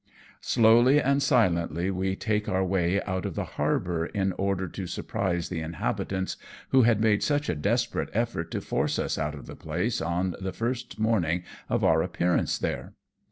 Slowly and silently we take our way out of the harbour, in order to surprise the inhabitants, who had made such a desperate effort to force us out of the place on the first morning of our appearance there.